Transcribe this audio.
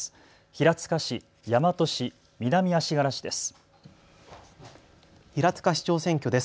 平塚市、大和市、南足柄市です。